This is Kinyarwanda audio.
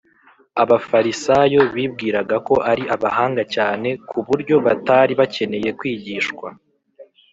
abafarisayo bibwiraga ko ari abahanga cyane ku buryo batari bakeneye kwigishwa